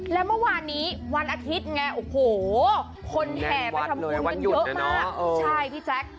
แล้วเมื่อวานนี้วันอาทิตย์ไงโอ้โหคนแห่ไปทำบุญกันเยอะมากใช่พี่แจ๊ค